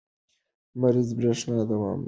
لمریزه برېښنا دوام لري.